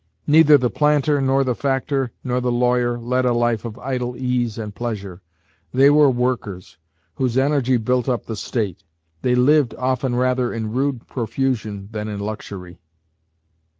Neither the planter nor the factor nor the lawyer led a life of idle ease and pleasure; they were workers, whose energy built up the State; they lived often rather in rude profusion than in luxury.